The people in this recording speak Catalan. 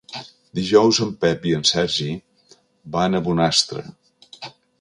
Dijous en Pep i en Sergi van a Bonastre.